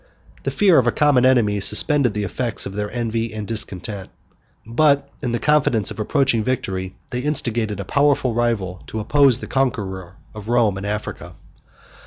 The fear of a common enemy suspended the effects of their envy and discontent; but in the confidence of approaching victory, they instigated a powerful rival to oppose the conqueror of Rome and Africa.